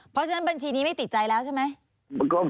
เพราะฉะนั้นบัญชีนี้ไม่ติดใจแล้วใช่ไหม